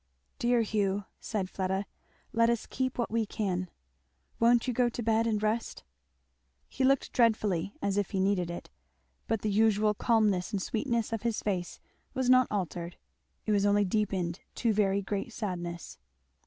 "Dear Hugh," said Fleda, "let us keep what we can won't you go to bed and rest?" He looked dreadfully as if he needed it. But the usual calmness and sweetness of his face was not altered; it was only deepened to very great sadness.